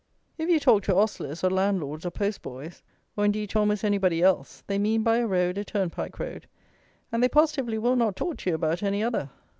If you talk to ostlers, or landlords, or post boys; or, indeed, to almost anybody else, they mean by a road a turnpike road; and they positively will not talk to you about any other.